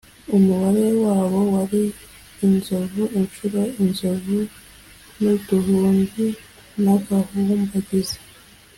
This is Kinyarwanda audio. umubare wabo wari inzovu incuro inzovu n’uduhumbi n’agahumbagiza.